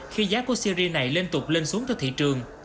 khi giá của series này lên tục lên xuống từ thị trường